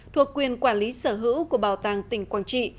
thuộc quyền quản lý sở hữu của bảo tàng tỉnh quảng trị